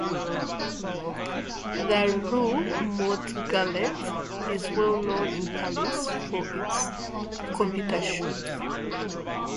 The "Rue Montgallet" is well known in Paris for its computer shops.